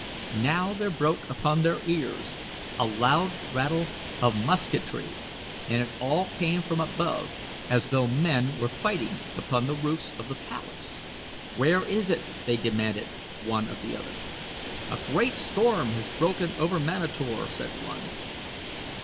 Now there broke upon their ears a loud rattle of musketry and it all came from above as though men were fighting upon the roofs of the palace. "What is it?" they demanded, one of the other. "A great storm has broken over Manator," said one.